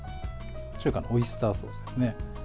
中華のオイスターソースですね。